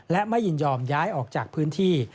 และไม่ยินยอมย้ายออกจากพื้นที่